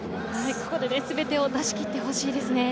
ここで全てを出し切ってほしいですね。